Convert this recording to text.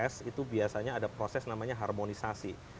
karena perpres itu biasanya ada proses namanya harmonisasi